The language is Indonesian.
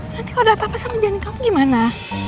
nanti kalo ada apa apa sama jani kamu gimana